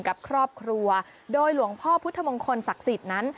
กับครอบครัวโดยหลวงพ่อพุทธมงคลศักดิ์สิทธิ์นั้น